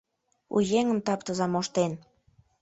У еҥым таптыза моштен.